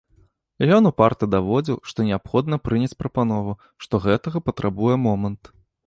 Ён упарта даводзіў, што неабходна прыняць прапанову, што гэтага патрабуе момант.